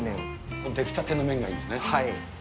この出来たての麺がいいんではい。